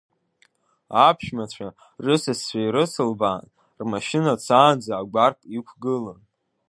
Аԥшәмацәа рысасцәа ирыцлыбаан, рмашьына цаанӡа, агәарԥ иқәгылан.